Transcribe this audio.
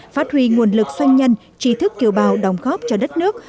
phát huy nguồn lực doanh nhân trí thức kiều bào đồng góp cho đất nước